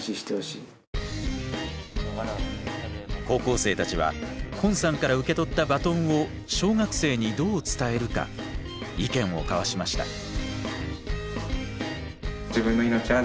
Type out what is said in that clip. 高校生たちは昆さんから受け取ったバトンを小学生にどう伝えるか意見を交わしました。